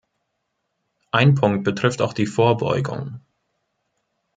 Ein Punkt betrifft auch die Vorbeugung.